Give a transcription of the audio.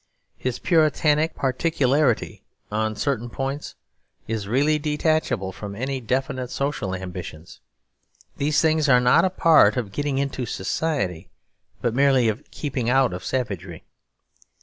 His Puritanic particularity on certain points is really detachable from any definite social ambitions; these things are not a part of getting into society but merely of keeping out of savagery.